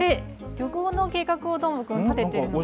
旅行の計画を、どーもくん、立ててるのかな。